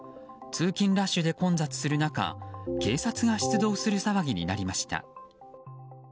通勤ラッシュで混雑する中警察が出動する騒ぎになりました。